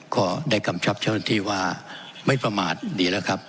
ก็ได้กำชับเจ้าหน้าที่ว่าไม่ประมาทดีแล้วครับ